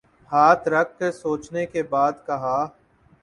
ہاتھ رکھ کر سوچنے کے بعد کہا۔